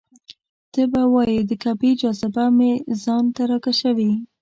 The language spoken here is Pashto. ته به وایې د کعبې جاذبه مې ځان ته راکشوي.